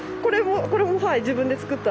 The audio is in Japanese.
これも自分で作った。